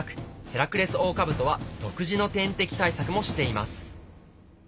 ヘラクレスオオカブトは独自の天敵対策もしています。